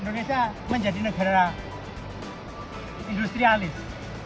indonesia menjadi negara industrialis